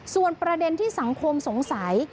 ส่วนประเด็นที่สังคมสงสัย